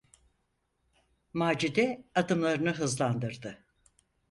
Macide adımlarını hızlandırdı.